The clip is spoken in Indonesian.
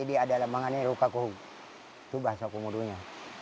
itu bahasa komodo nya